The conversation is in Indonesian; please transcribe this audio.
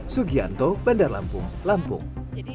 sugianto bandar lampung lampung